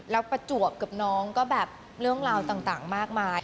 แล้วประจวบกับน้องก็แบบเรื่องราวต่างมากมาย